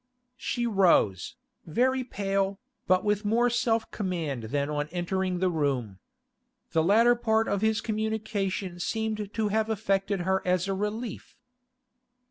She rose, very pale, but with more self command than on entering the room. The latter part of his communication seemed to have affected her as a relief.